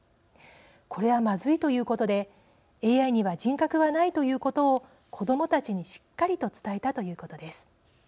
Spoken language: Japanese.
これは、まずいということでＡＩには人格はないということを子どもたちにしっかりと伝えたということです。